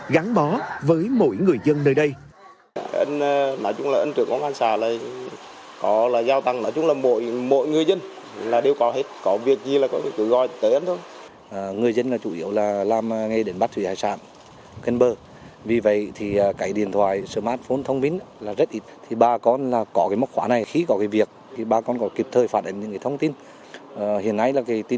gắn bó với mỗi người dân nơi đây